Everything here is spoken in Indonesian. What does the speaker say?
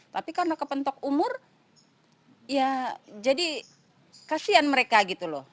tapi karena kepentok umur ya jadi kasihan mereka gitu loh